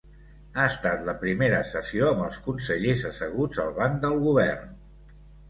Ha estat la primera sessió amb els consellers asseguts al banc del govern.